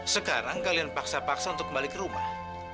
sekarang kalian paksa paksa untuk kembali ke rumah